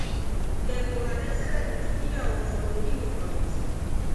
د کورنۍ سره دوستي او وفاداري وښیاست.